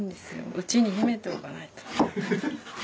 内に秘めておかないと。